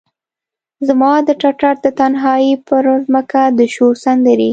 زما د ټټر د تنهایې پرمځکه د شور سندرې،